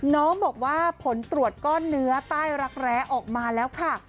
น้องบอกว่าผลตรวจก้อนเนื้อใต้รักแร้ออกมาแล้วค่ะ